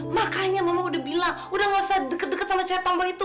makanya mama udah bilang udah gak usah deket deket sama saya tambah itu